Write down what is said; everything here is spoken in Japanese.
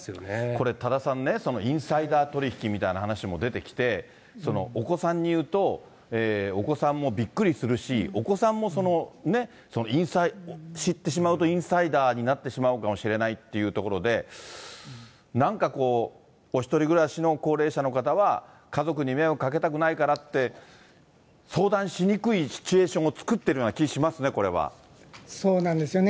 これ、多田さんね、インサイダー取り引きみたいな話も出てきて、お子さんに言うと、お子さんもびっくりするし、お子さんもその、ね、インサイダー、知ってしまうと、インサイダーになってしまうかもしれないというところで、なんかこう、お１人暮らしの高齢者の方は、家族に迷惑かけたくないからって、相談しにくいシチュエーションを作ってるような気しますね、これそうなんですよね。